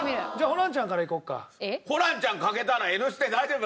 ホランちゃん欠けたら「Ｎステ」大丈夫？